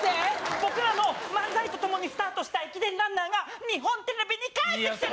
僕らの漫才と共にスタートした駅伝ランナーが、日本テレビに帰ってきてる。